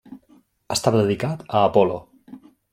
Estava dedicat a Apol·lo.